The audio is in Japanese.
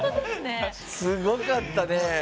すごかったね！